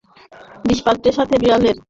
বিষপাত্রের সাথে বিড়ালের।